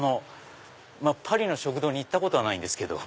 まぁパリの食堂に行ったことはないんですけど。